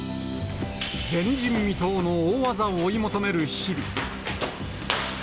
前人未到の大技を追い求める日々。